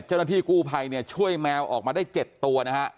เจ้าหน้าที่กู้ภัยเนี่ยช่วยแมวออกมาได้๗ตัวนะฮะ